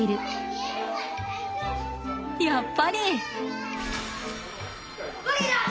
やっぱり！